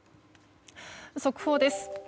速報です。